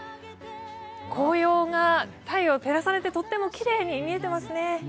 紅葉が太陽に照らされてとってもきれいに見えてますね。